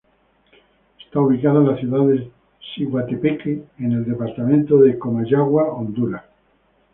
Está ubicada en la ciudad de Siguatepeque, en el departamento de Comayagua, Honduras.